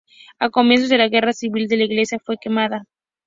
A comienzos de la Guerra Civil la iglesia fue quemada.